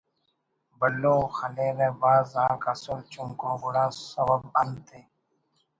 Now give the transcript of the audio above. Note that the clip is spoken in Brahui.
بھلو خلیرہ بھاز آک اسل چنکو گڑا سوب انتءِ